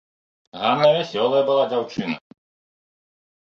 Ганна вясёлая была дзяўчына.